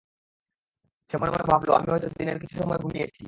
সে মনে মনে ভাবল, আমি হয়ত দিনের কিছু সময় ঘুমিয়েছি।